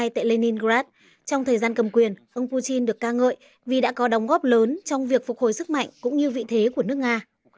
tại leningrad trong thời gian cầm quyền ông putin được ca ngợi vì đã có đóng góp lớn trong việc phục hồi sức mạnh cũng như vị thế của nước nga